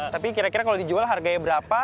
tapi kira kira kalau dijual harganya berapa